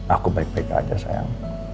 aku baik baik aja sayang